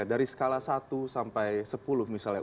dari skala satu sampai sepuluh misalnya